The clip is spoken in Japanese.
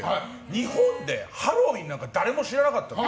日本でハロウィーンなんか誰も知らなかったのに